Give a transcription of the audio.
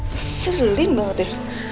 kelen banget ya